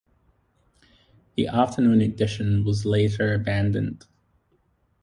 The afternoon edition was later abandoned.